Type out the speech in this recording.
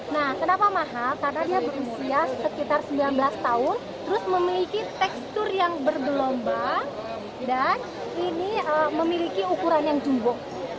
nah kenapa mahal karena dia berusia sekitar sembilan belas tahun terus memiliki tekstur yang bergelombang dan ini memiliki ukuran yang jumbo